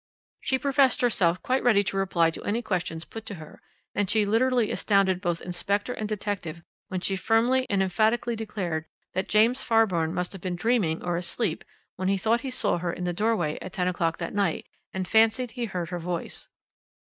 "She professed herself quite ready to reply to any questions put to her, and she literally astounded both inspector and detective when she firmly and emphatically declared that James Fairbairn must have been dreaming or asleep when he thought he saw her in the doorway at ten o'clock that night, and fancied he heard her voice.